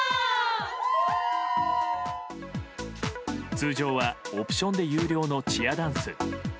通常はオプションで有料のチアダンス。